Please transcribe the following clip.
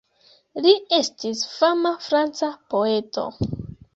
Li estis fama franca poeto.